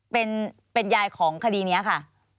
เป็นยายของคดีนี้ค่ะ